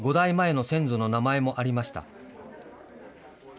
邱さんの５代前の先祖の名前もありました。